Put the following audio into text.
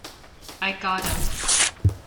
I got 'em!